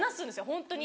ホントに。